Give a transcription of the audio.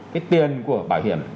cái tiền của bảo hiểm